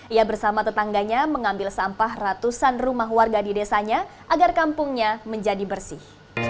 ia bersama tetangganya mengambil sampah ratusan rumah warga di desanya agar kampungnya menjadi bersih